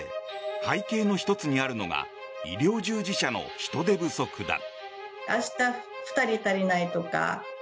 背景の１つにあるのが医療従事者の人手不足だ。